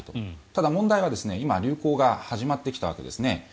ただ、問題は今流行が始まってきたわけですね。